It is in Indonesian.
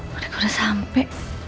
mereka udah sampe